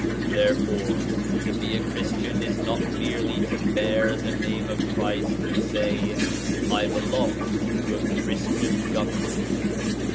Therefore to be a Christian is not merely to bear the name of Christ and say "I belong to a Christian govern ment.